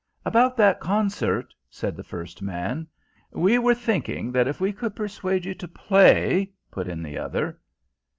"About that concert " said the first man. "We were thinking that if we could persuade you to play " put in the other.